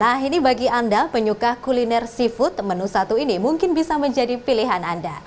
nah ini bagi anda penyuka kuliner seafood menu satu ini mungkin bisa menjadi pilihan anda